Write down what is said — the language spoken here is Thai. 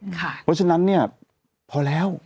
เพราะฉะนั้นเนี่ยพอแล้ว